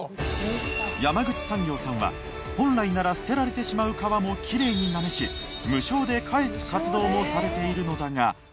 山口産業さんは本来なら捨てられてしまう皮もキレイになめし無償で返す活動もされているのだが。